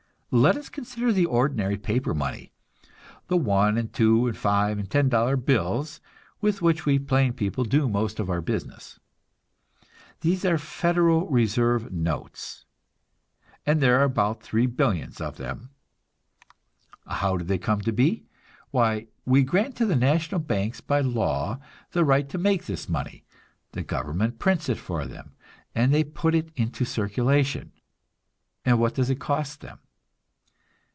Let us consider the ordinary paper money, the one and two and five and ten dollar "bills," with which we plain people do most of our business. These are Federal Reserve notes, and there are about three billions of them; how do they come to be? Why, we grant to the national banks by law the right to make this money; the government prints it for them, and they put it into circulation. And what does it cost them?